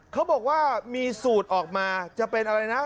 เขาบอกว่ามีสูตรออกมาจะเป็นอะไรนะ